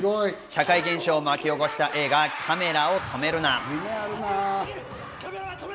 社会現象を巻き起こした映画『カメラを止めるな！』。